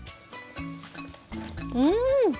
うん！